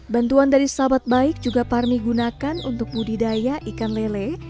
bantuan dari sahabat baik juga parmi gunakan untuk budidaya ikan lele